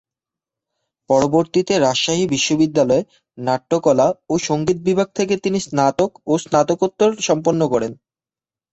পরবর্তীতে রাজশাহী বিশ্ববিদ্যালয়ে নাট্যকলা ও সঙ্গীত বিভাগ থেকে তিনি স্নাতক ও স্নাতকোত্তর সম্পন্ন করেন।